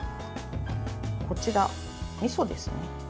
こちら、みそですね。